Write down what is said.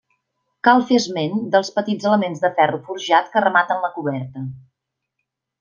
Cal fer esment dels petits elements de ferro forjat que rematen la coberta.